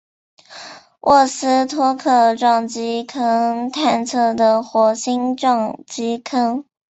沃斯托克撞击坑探测的火星撞击坑。